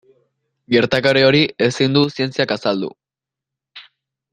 Gertakari hori ezin du zientziak azaldu.